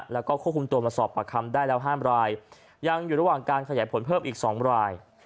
แล้วก็ควบคุมตัวมาสอบปากคำได้แล้วห้ามรายยังอยู่ระหว่างการขยายผลเพิ่มอีก๒ราย